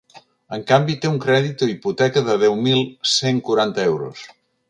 En canvi, té un crèdit o hipoteca de deu mil cent quaranta euros.